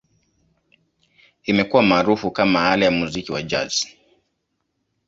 Imekuwa maarufu kama ala ya muziki wa Jazz.